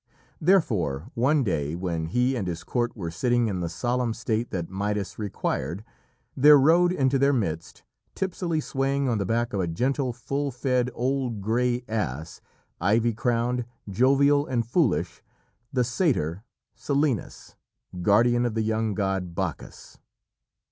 Therefore one day when he and his court were sitting in the solemn state that Midas required, there rode into their midst, tipsily swaying on the back of a gentle full fed old grey ass, ivy crowned, jovial and foolish, the satyr Silenus, guardian of the young god Bacchus.